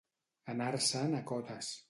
Anar-se'n a Cotes.